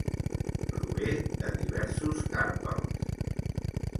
Prové de diversos carpels.